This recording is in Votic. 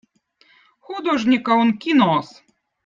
hudožnikkõ on kinoz